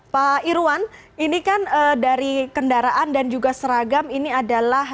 pak irwan ini kan dari kendaraan dan juga seragam ini adalah